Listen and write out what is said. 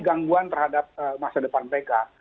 gangguan terhadap masa depan mereka